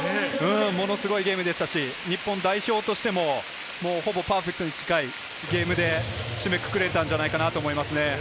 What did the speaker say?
ものすごいゲームでしたし、日本代表としても、ほぼパーフェクトに近いゲームで締めくくれたんじゃないかと思いますね。